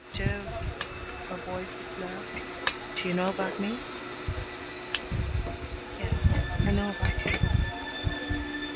"Do" her voice was low "do you know about me?" "Yes, I know about you."